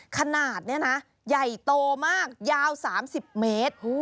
ขนาดนี้นะใหญ่โตมากยาว๓๐เมตร